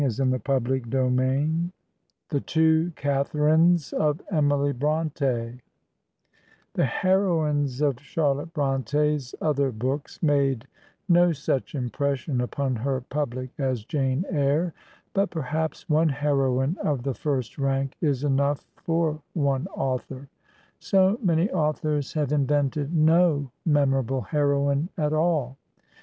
Digitized by VjOOQIC THE TWO CATHARINES OF EMILY BRONTE THE heroines of Charlotte Bronte's other books made no such impression upon her pubUc as Jane Eyre, but perhaps one heroine of the i&rst rank is enough for one author; so many authors have in vented no memorable heroine at all.